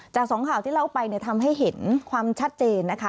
สองข่าวที่เล่าไปทำให้เห็นความชัดเจนนะคะ